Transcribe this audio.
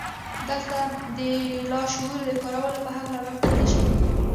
دلته د لاشعور د کارولو په هکله لارښوونې شوې دي